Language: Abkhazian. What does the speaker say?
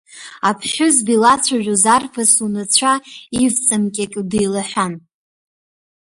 Аԥҳәызба илацәажәоз арԥыс унацәа ивҵамкьакьо деилаҳәан.